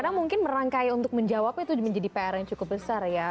karena mungkin merangkai untuk menjawab itu menjadi pr yang cukup besar ya